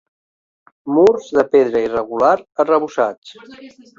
Murs de pedra irregular arrebossats.